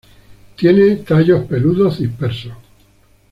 Tiene tallos peludos dispersos.